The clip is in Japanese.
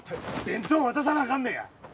弁当渡さなあかんねや！